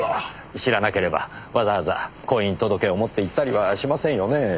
知らなければわざわざ婚姻届を持って行ったりはしませんよねえ。